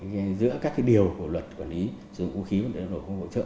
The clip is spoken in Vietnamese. với giữa các cái điều của luật quản lý sử dụng vũ khí và liệu nổ công cụ hỗ trợ